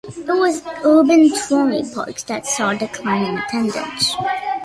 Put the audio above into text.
It was urban trolley parks that saw declining attendance.